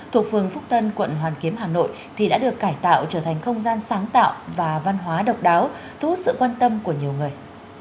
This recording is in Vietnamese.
thuộc phường phúc tân quận hoàn kiếm hà nội thì đã được cải tạo trở thành không gian sáng tạo và văn hóa độc đáo thu hút sự quan tâm của nhiều người